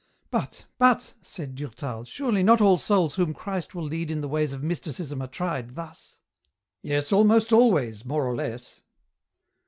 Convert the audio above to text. '* But, but," said Durtal, " surely not all souls whom Christ will lead in the ways of mysticism are tried thus ?" EN ROUTE. 73 " Yes, almost always, more or less.'